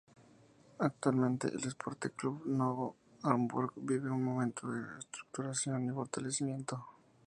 Actualmente, el Esporte Clube Novo Hamburgo vive un momento de reestructuración y fortalecimiento.